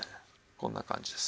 こんな感じです。